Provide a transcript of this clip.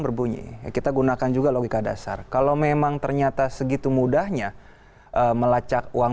berbunyi kita gunakan juga logika dasar kalau memang ternyata segitu mudahnya melacak uang